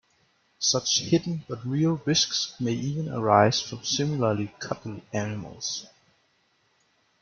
Such hidden but real risks may even arise from similarly cuddly animals.